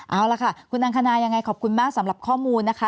เอาล่ะค่ะคุณอังคณายังไงขอบคุณมากสำหรับข้อมูลนะคะ